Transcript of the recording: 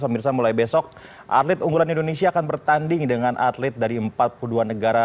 pemirsa mulai besok atlet unggulan indonesia akan bertanding dengan atlet dari empat puluh dua negara